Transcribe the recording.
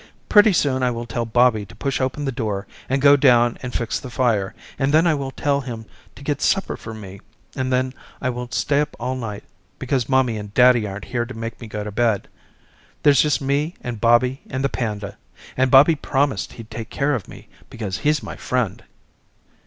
Pretty soon I will tell Bobby to push open the door and go down and fix the fire and then I will tell him to get supper for me and then I will stay up all night because mommy and daddy aren't here to make me go to bed. There's just me and Bobby and the panda, and Bobby promised he'd take care of me because he's my friend.